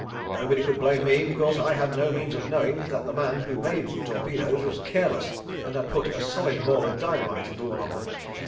Nobody could blame me, because I had no means of knowing that the man who made the torpedoes was careless and had put a solid ball of dynamite into one of them.